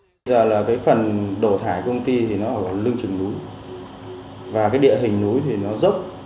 bây giờ là cái phần đổ thải công ty thì nó ở lưng trừng núi và cái địa hình núi thì nó dốc